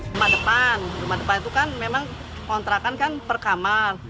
rumah depan rumah depan itu kan memang kontrakan kan per kamar